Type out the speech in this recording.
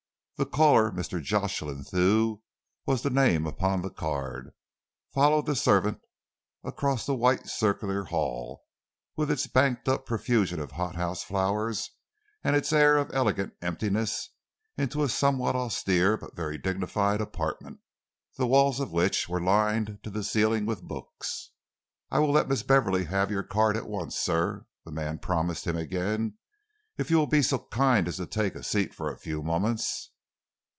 The caller Mr. Jocelyn Thew was the name upon the card followed the servant across the white stone circular hall, with its banked up profusion of hothouse flowers and its air of elegant emptiness, into a somewhat austere but very dignified apartment, the walls of which were lined to the ceiling with books. "I will let Miss Beverley have your card at once, sir," the man promised him again, "if you will be so kind as to take a seat for a few moments."